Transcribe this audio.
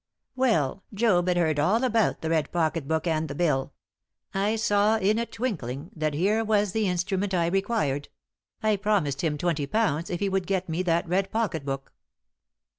"Well, Job had heard all about, the red pocket book and the bill. I saw in a twinkling that here was the instrument I required; I promised him twenty pounds if he would get me that red pocket book."